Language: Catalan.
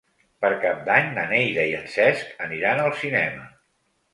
Per Cap d'Any na Neida i en Cesc aniran al cinema.